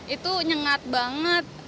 itu nyengat banget